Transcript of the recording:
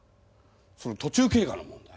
その途中経過の問題。